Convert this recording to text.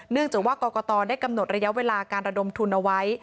จากว่ากรกตได้กำหนดระยะเวลาการระดมทุนเอาไว้